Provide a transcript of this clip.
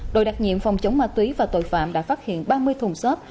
đội đặc nhiệm phòng chống ma túy và tội phạm đã phát hiện ba mươi thùng xốp